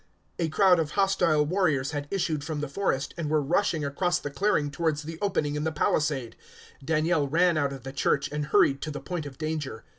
A crowd of hostile warriors had issued from the forest, and were rushing across the clearing, towards the opening in the palisade. Daniel ran out of the church, and hurried to the point of danger.